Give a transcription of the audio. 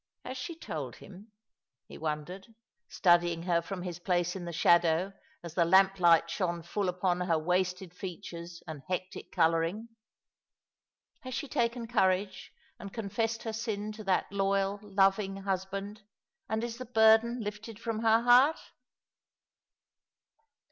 '" Has she told him ?" he wondered, studying her from his place in the shadow as the lamplight shone full upon her wasted features and hectic colouring. " Has she taken courage and confessed her sin to that loyal, loving husband, and is the burden lifted from her heart